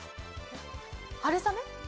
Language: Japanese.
春雨？